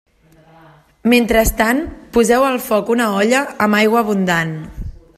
Mentrestant poseu al foc una olla amb aigua abundant.